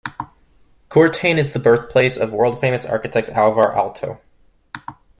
Kuortane is the birthplace of world-famous architect Alvar Aalto.